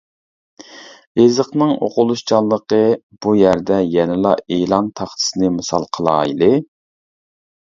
يېزىقنىڭ ئوقۇلۇشچانلىقى بۇ يەردە يەنىلا ئېلان تاختىسىنى مىسال قىلايلى.